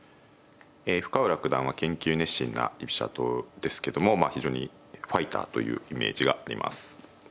え深浦九段は研究熱心な居飛車党ですけどもまあ非常にファイターというイメージがあります。